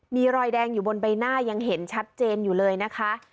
มีรอยแดงอยู่บนใบหน้ายังเห็นชัดเจนอยู่เลยนะคะ